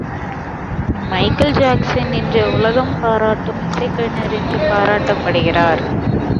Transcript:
Michael Jackson இன்று உலகம் பாராட்டும் இசைக்கலைஞர் என்று பாராட்டப்படுகிறார்.